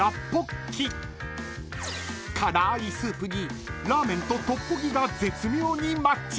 ［辛いスープにラーメンとトッポギが絶妙にマッチ］